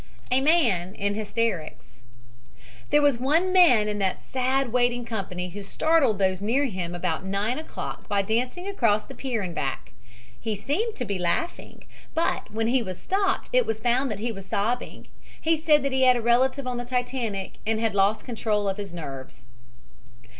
A MAN IN HYSTERICS There was one man in that sad waiting company who startled those near him about 9 o'clock by dancing across the pier and back. He seemed to be laughing, but when he was stopped it was found that he was sobbing. He said that he had a relative on the Titanic and had lost control of his nerves.